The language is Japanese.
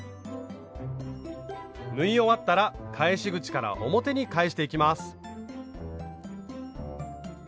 縫い終わったら返し口から表に返していきます。